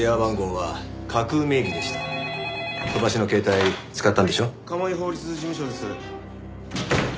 はい鴨居法律事務所です。